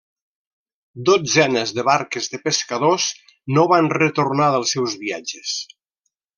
Dotzenes de barques de pescadors no van retornar dels seus viatges.